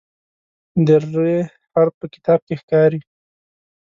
د "ر" حرف په کتاب کې ښکاري.